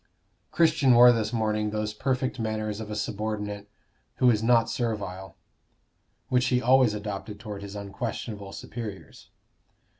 Christian wore this morning those perfect manners of a subordinate who is not servile, which he always adopted toward his unquestionable superiors.